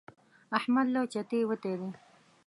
احمد له چتې وتی دی.